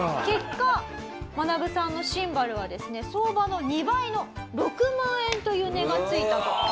結果マナブさんのシンバルはですね相場の２倍の６万円という値がついたと。